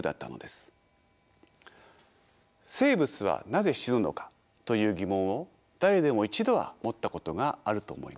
生物はなぜ死ぬのかという疑問を誰でも一度は持ったことがあると思います。